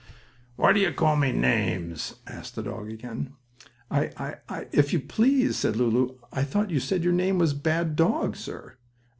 "Why do you call me names?" asked the dog again. "I I If you please," said Lulu, "I thought you said your name was Bad Dog, sir."